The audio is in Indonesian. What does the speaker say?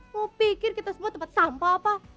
mau pikir kita semua tempat sampah apa